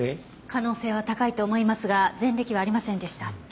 可能性は高いと思いますが前歴はありませんでした。